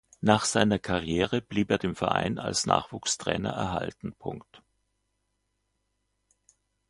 Nach seiner Karriere blieb er dem Verein als Nachwuchstrainer erhalten.